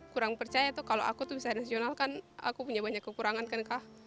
kurang percaya tuh kalau aku tuh bisa nasional kan aku punya banyak kekurangan kan kak